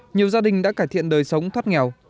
nhiều gia đình đã cải thiện đời sống thoát nghèo